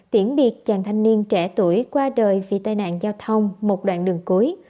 tiễn biệt chàng thanh niên trẻ tuổi qua đời vì tai nạn giao thông một đoạn đường cuối